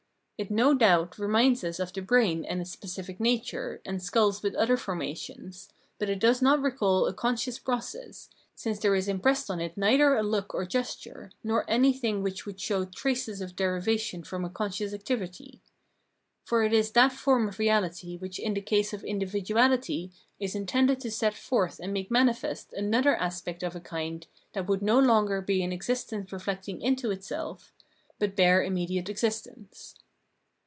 It no doubt reminds us of the brain and its specific nature, and skulls with other formations, but it does not recall a conscious process, since there is impressed on it neither a look or gesture, nor anything which would show traces of derivation from a con scious activity. For it is that form of reahty which in the case of individuahty is intended to set forth and make manifest another aspect of a kind that would no longer be an existence reflecting itself into itself, but bare immediate existence.